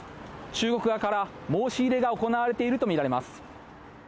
中国側から申し入れが行われているとみられます。